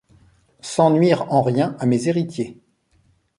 Sans nuire en rien à mes héritiers...